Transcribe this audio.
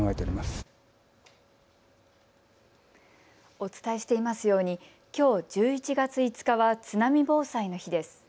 お伝えしていますようにきょう１１月５日は津波防災の日です。